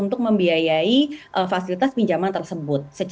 apakah memang cash flow yang dihasilkan itu bisa menurut anda